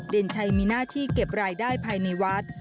เด่นชัยมีหน้าที่เก็บรายได้ภายในวัด